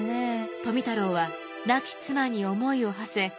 富太郎は亡き妻に思いをはせ